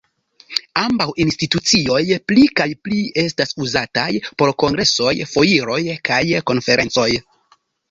Ambaŭ institucioj pli kaj pli estas uzataj por kongresoj, foiroj kaj konferencoj.